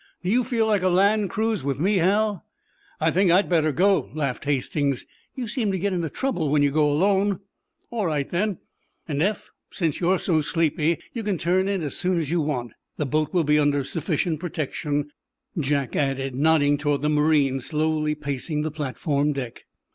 "Do you feel like a land cruise with me, Hal?" "I think I'd better go," laughed Hastings. "You seem to get into trouble when you go alone." "All right, then. And, Eph since you're so sleepy, you can turn in as soon as you want. The boat will be under sufficient protection," Jack added, nodding toward the marine slowly pacing the platform deck.